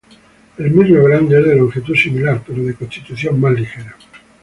El mirlo grande es de longitud similar, pero de constitución más ligera.